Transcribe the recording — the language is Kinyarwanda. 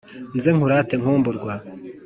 Nze nkurate nkumburwa